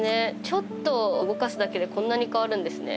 ちょっと動かすだけでこんなに変わるんですね。